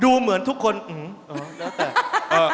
ดูเหมือนทุกคนหึอโอ้โหแล้วแต่